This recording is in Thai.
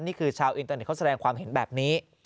นี่คือชาวอินเตอร์เน็ตเขาแสดงความเห็นแบบนี้